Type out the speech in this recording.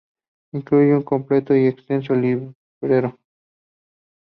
Incluye un completo y extenso libreto.